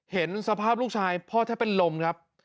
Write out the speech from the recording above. เห็นสภาพลูกชายพ่อแทบเป็นลมครับ